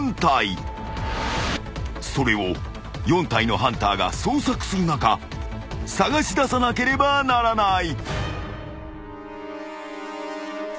［それを４体のハンターが捜索する中捜し出さなければならない］